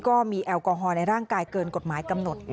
แอลกอฮอลในร่างกายเกินกฎหมายกำหนด